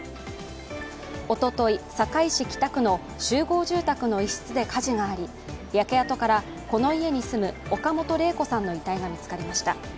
おととい、堺市北区の集合住宅の一室で火事があり焼け跡からこの家に住む岡本玲子さんの遺体が見つかりました。